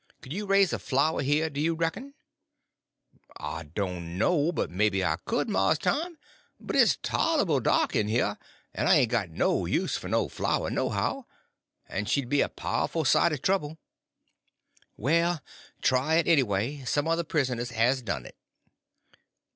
Could you raise a flower here, do you reckon?" "I doan know but maybe I could, Mars Tom; but it's tolable dark in heah, en I ain' got no use f'r no flower, nohow, en she'd be a pow'ful sight o' trouble." "Well, you try it, anyway. Some other prisoners has done it."